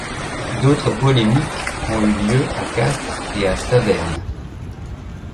D’autres polémiques ont eu lieu à Castres et à Saverne.